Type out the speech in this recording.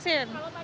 surat tugas ya